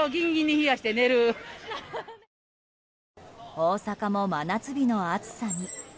大阪も真夏日の暑さに。